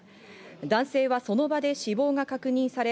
男性はその場で死亡が確認され、